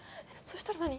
そしたら何？